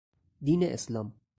دین اسلام